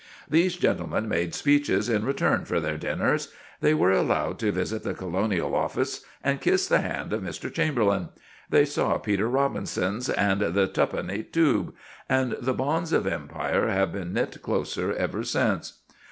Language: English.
These gentlemen made speeches in return for their dinners; they were allowed to visit the Colonial Office and kiss the hand of Mr. Chamberlain; they saw Peter Robinson's and the tuppenny tube: and the bonds of Empire have been knit closer ever since.